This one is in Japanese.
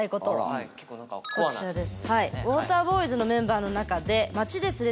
こちらです。